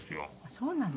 そうなの？